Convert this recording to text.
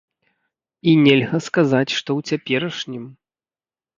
І нельга сказаць, што ў цяперашнім.